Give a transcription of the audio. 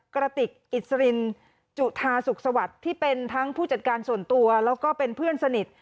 กระติกอิสรินจุธาสุขสวัสดิ์ที่เป็นทั้งผู้จัดการส่วนตัวแล้วก็เป็นเพื่อนสนิท